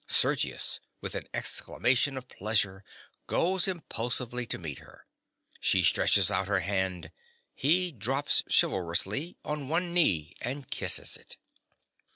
Sergius, with an exclamation of pleasure, goes impulsively to meet her. She stretches out her hand: he drops chivalrously on one knee and kisses it.